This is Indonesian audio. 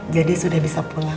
jadi sudah bisa pulang